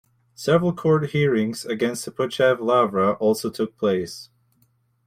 Several court hearings against the Pochayiv Lavra also took place.